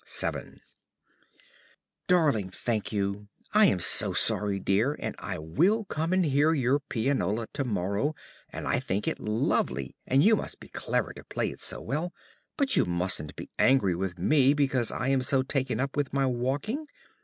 ~ VII Darling Thankyou, I am so sorry, dear, and I will come and hear your pianola to morrow, and I think it lovely, and you must be clever to play it so well; but you musn't be angry with me because I am so taken up with my walking.